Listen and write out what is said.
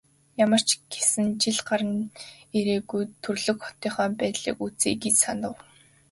Ямар ч гэсэн жил гаран ирээгүй төрөлх хотынхоо байдлыг үзье гэж санав.